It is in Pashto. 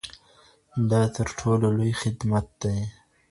دا تر ټولو لوی خدمت دی.